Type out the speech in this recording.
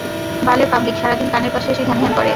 বালের পাবলিক, সারাদিন কানের পাশে এসে ঘ্যানঘ্যান করে।